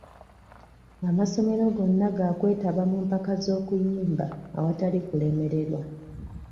Amasomero gonna ga kwetaba mu mpaka z'okuyimba awatali kulemererwa.